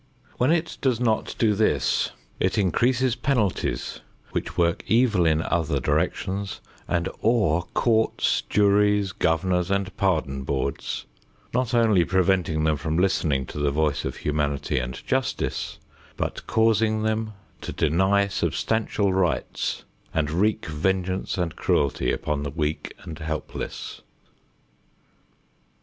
When it does not do this, it increases penalties which work evil in other directions and awe courts, juries, governors and pardon boards, not only preventing them from listening to the voice of humanity and justice, but causing them to deny substantial rights and wreak vengeance and cruelty upon the weak and helpless.